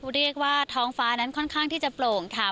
เรียกว่าท้องฟ้านั้นค่อนข้างที่จะโปร่งค่ะ